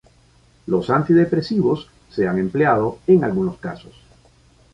Los antidepresivos se han empleado en algunos casos.